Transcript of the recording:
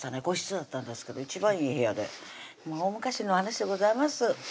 個室だったんですけど一番いい部屋で大昔の話でございます